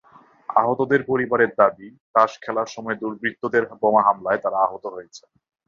আহতদের পরিবারের দাবি, তাস খেলার সময় দুর্বৃত্তদের বোমা হামলায় তাঁরা আহত হয়েছেন।